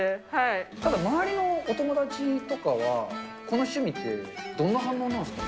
ただ、周りのお友達とかは、この趣味って、どんな反応なんですか？